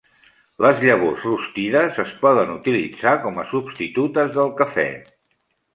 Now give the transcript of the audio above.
Les llavors rostides es poden utilitzar com a substitutes del cafè.